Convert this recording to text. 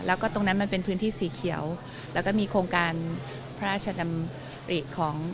แล้วก็ตรงนั้นมันเป็นพื้นที่สีเขียวแล้วก็มีโครงการพระราชดำริของ